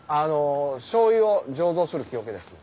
しょうゆを醸造する木桶ですね。